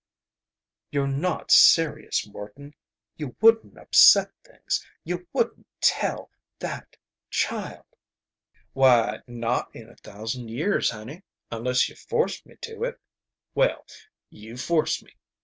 "You're not serious, Morton. You wouldn't upset things. You wouldn't tell that child!" "Why, not in a thousand years, honey, unless you forced me to it. Well, you've forced me.